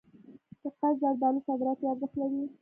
د قیسی زردالو صادراتي ارزښت لري.